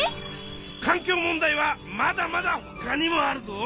環境問題はまだまだほかにもあるぞ。